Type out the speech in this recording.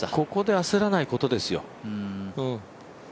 ここで焦らないことですよ。